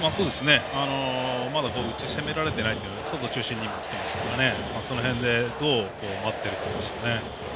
まだ内を攻められていなく外中心にきていますからその辺でどう待ってるかなんですよね。